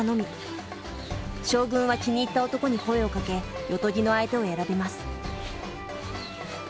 将軍は気に入った男に声をかけ夜伽の相手を選びます。